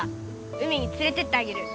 海につれてってあげる。